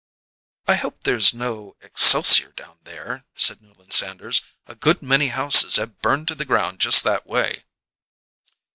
"I hope there's no excelsior down there," said Newland Sanders. "A good many houses have burned to the ground just that way."